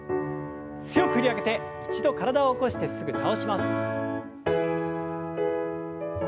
強く振り上げて一度体を起こしてすぐ倒します。